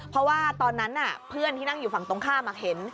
เพราะว่าตอนนั้นเพื่อนที่นั่งอยู่ฝั่งตรงข้ามเห็น